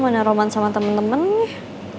mana roman sama temen temen nih